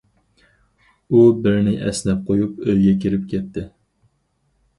ئۇ بىرنى ئەسنەپ قويۇپ، ئۆيىگە كىرىپ كەتتى.